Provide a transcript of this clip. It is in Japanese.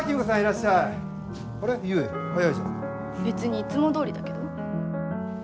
別にいつもどおりだけど？